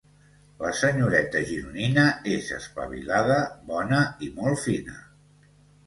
La senyoreta gironina és espavilada, bona i molt fina.